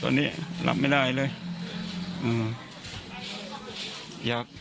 ตอนนี้รับไม่ได้เลย